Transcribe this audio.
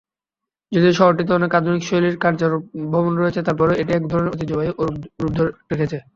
যদিও শহরটিতে অনেক আধুনিক শৈলীর কার্যালয় ভবন আছে, তার পরেও এটি এক ধরনের ঐতিহ্যবাহী আরব রূপ ধরে রেখেছে।